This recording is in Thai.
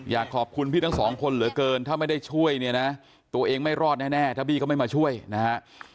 อยากขอบคุณพี่ทั้งสองคนเหลือเกินถ้าไม่ได้ช่วยเนี่ยนะตัวเองไม่รอดแน่ถ้าบี้ก็ไม่มาช่วยนะฮะ